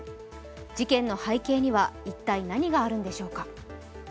事件の背景には一体何があるんでしょうか。